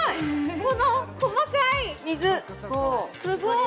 この細かい水すごい！